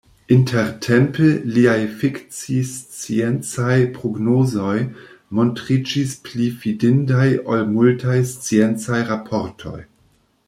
Intertempe, liaj fikcisciencaj prognozoj montriĝis pli fidindaj ol multaj sciencaj raportoj.